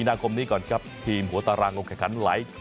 นะครับไปก่อนนะครับ